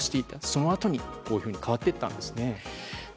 そのあとに、こういうふうに変わっていったんですね。